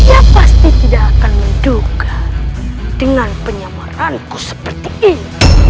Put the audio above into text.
ya pasti tidak akan menduga dengan penyamaranku seperti ini